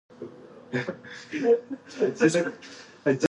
دریابونه د افغانستان د صادراتو برخه ده.